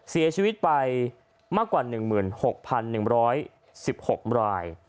เสียชีวิตไปมากกว่า๑๖๑๑๖ราย